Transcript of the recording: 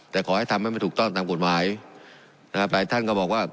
แต่ขอให้ทำให้มันถูกต้องตามกฎหมายนะครับหลายท่านก็บอกว่า